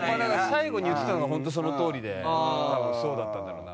最後に言ってたのがホントそのとおりで多分そうだったんだろうな。